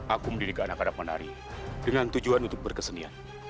aku mendidik anak anak menari dengan tujuan untuk berkesenian